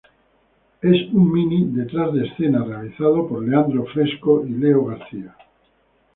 Es un mini "detrás de escena" realizado por Leandro Fresco y Leo García.